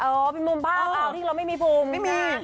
เออเป็นมุมภาพเอาทิ้งเราไม่มีภูมินะไม่มี